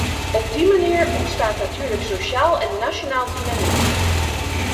Op die manier ontstaat natuurlijk sociaal en nationaal dynamiet.